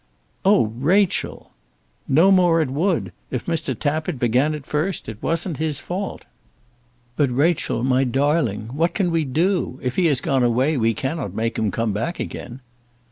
"Oh, Rachel!" "No more it would. If Mr. Tappitt began it first, it wasn't his fault." "But Rachel, my darling, what can we do? If he has gone away we cannot make him come back again."